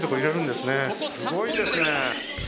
すごいですね。